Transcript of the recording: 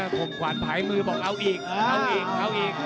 ผมขวานผายมือบอกเอาอีกเอาอีกเอาอีก